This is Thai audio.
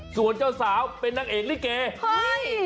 ส่วนเจ้าสาวเป็นนางเอกลิเกเฮ้ย